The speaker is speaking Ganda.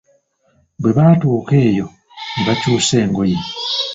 Bwe baatuuka eyo ne bakyusa engoye.